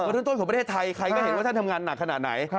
ทั้งต้นของประเทศไทยใครก็เห็นว่าท่านทำงานหนักขนาดไหน